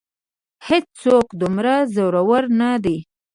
هېڅ څوک دومره زورور نه دی.